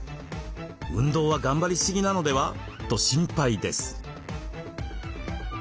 運動は頑張りすぎなのでは？と心配です。